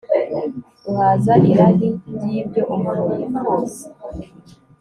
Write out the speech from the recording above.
guhaza irari ryibyo umuntu yifuza